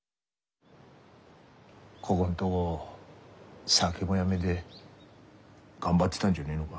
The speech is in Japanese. ここんとご酒もやめで頑張ってだんじゃねえのが。